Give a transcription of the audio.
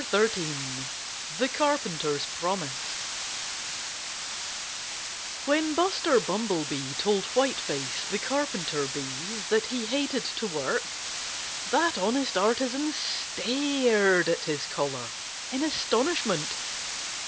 XIII THE CARPENTER'S PROMISE When Buster Bumblebee told Whiteface the Carpenter Bee, that he hated to work that honest artisan stared at his caller in astonishment.